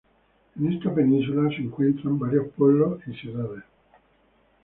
En esta península se encuentran varios pueblos y ciudades.